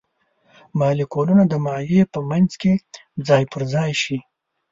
مالیکولونه د مایع په منځ کې ځای پر ځای شي.